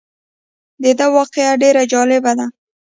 دده واقعه ډېره جالبه ده.